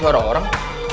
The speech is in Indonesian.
ih suara orang